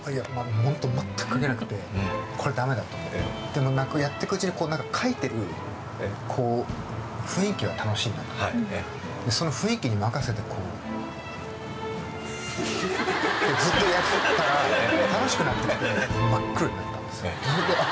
ホント全く描けなくてこれダメだと思ってでもやってくうちに描いてる雰囲気は楽しいんだとその雰囲気に任せてこうてずっとやってたら楽しくなってきて真っ黒になったんですあっ